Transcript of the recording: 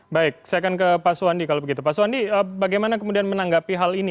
baik saya akan ke pak suwandi kalau begitu pak suwandi bagaimana kemudian menanggapi hal ini